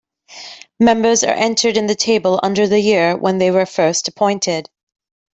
Members are entered in the table under the year when they were first appointed.